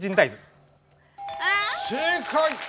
正解！